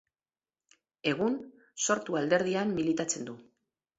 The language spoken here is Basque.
Egun, Sortu alderdian militatzen du.